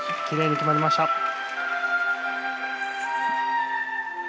きれいに決まりました。